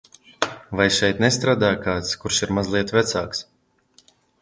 Vai šeit nestrādā kāds, kurš ir mazliet vecāks?